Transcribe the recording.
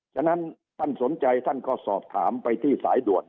ฉะนั้นท่านสนใจท่านก็สอบถามไปที่สายด่วน